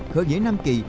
khởi nghĩa năm kỳ